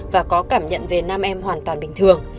và có cảm nhận về nam em hoàn toàn bình thường